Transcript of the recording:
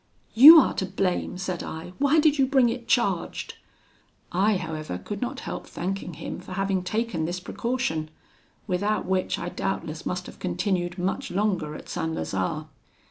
'You are to blame,' said I, 'why did you bring it charged?' I, however, could not help thanking him for having taken this precaution, without which I doubtless must have continued much longer at St. Lazare.